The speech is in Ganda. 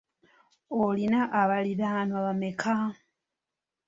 Olina baliraanwa bameka?